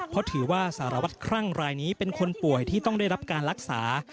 เพราะถือว่าสารวัตรคลั่งรายนี้เป็นคนป่วยที่ต้องได้รับการรักษา